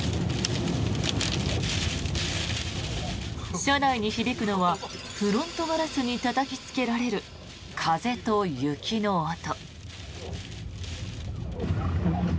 車内に響くのはフロントガラスにたたきつけられる風と雪の音。